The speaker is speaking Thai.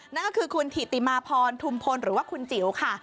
นั่นก็คือคุณถิติมาพรทุมพลหรือว่าคุณจิ๋วค่ะ